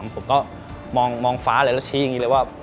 ผมก็มองฟ้าเลยแล้วชี้อย่างนี้เลยว่า